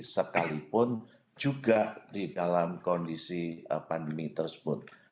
sekalipun juga di dalam kondisi pandemi tersebut